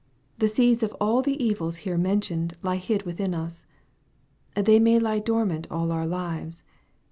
The seeds of all the evils here mentioned lie hid within us all. They may lie dormant all our lives.